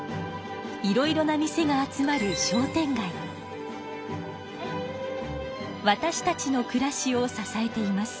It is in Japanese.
いろいろな店が集まるわたしたちのくらしを支えています。